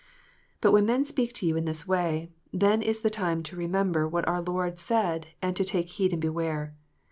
But when men speak to you in this way, then is the time to remember what our Lord said, and " to take heed and beware."